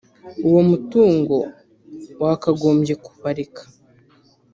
Uwo mutungo wakagombye kubarera